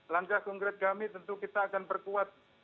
langkah konkret kami tentu kita akan perkuat